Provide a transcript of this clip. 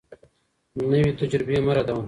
نوي تجربې مه ردوه.